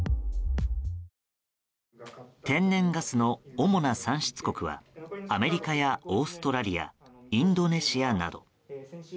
天然ガスの主な産出国はアメリカやオーストラリアインドネシアなど。